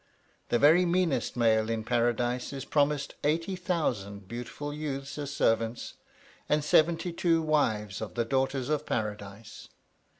The very meanest male in Paradise is promised eighty thousand beautiful youths as servants, and seventy two wives of the daughters of Paradise.